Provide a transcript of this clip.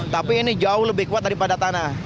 tapi ini jauh lebih kuat daripada tanah